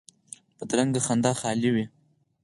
بدرنګه خندا خالي وي